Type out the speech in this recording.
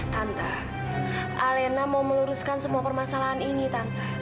tante alena mau meluruskan semua permasalahan ini tante